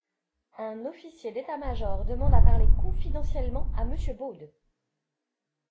Un officier d'état-major demande à parler confidentiellement à monsieur Baude!